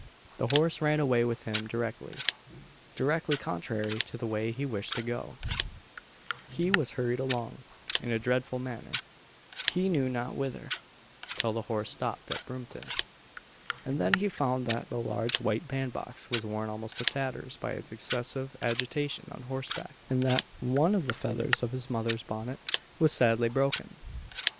The horse ran away with him directly directly contrary to the way he wished to go he was hurried along, in a dreadful manner, he knew not whither, till the horse stopped at Brompton; and then he found that the large white band box was worn almost to tatters by its excessive agitation on horseback, and that one of the feathers of his mother's bonnet was sadly broken.